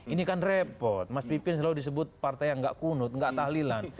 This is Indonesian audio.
ini kan repot mas pipin selalu disebut partai yang gak kunut nggak tahlilan